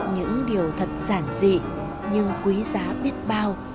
những điều thật giản dị nhưng quý giá biết bao